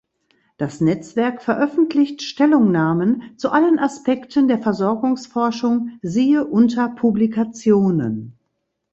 Das Netzwerk veröffentlicht Stellungnahmen zu allen Aspekten der Versorgungsforschung (siehe unter Publikationen).